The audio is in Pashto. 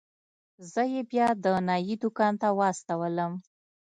زه يې بيا د نايي دوکان ته واستولم.